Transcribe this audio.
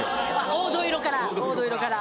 黄土色から黄土色から。